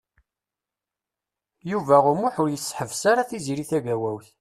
Yuba U Muḥ ur yessehbes ara Tiziri Tagawawt.